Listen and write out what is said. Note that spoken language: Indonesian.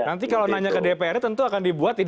nanti kalau nanya ke dprd tentu akan dibuat